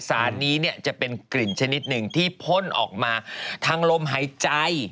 สารนี้จะเป็นกลิ่นชนิดหนึ่งที่พ่นออกมาทางลมหายใจ